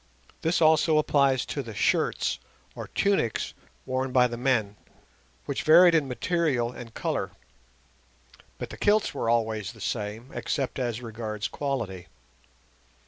This also applies to the "shirts" or tunics worn by the men, which varied in material and colour; but the kilts were always the same except as regards quality.